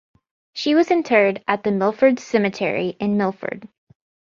She was interred at the Milford Cemetery in Milford.